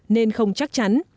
nên không chắc chắn